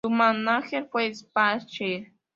Su mánager fue Sapphire.